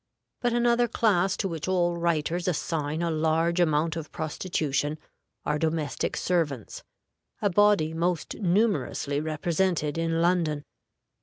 But another class to which all writers assign a large amount of prostitution are domestic servants, a body most numerously represented in London.